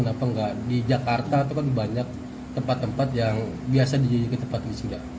kenapa tidak di jakarta atau di banyak tempat tempat yang biasa dijadikan tempat wisuda